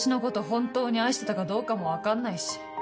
本当に愛してたかどうかも分かんないし。